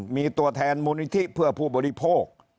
มีตัวแทนมูลนิธิเพื่อผู้บริโภค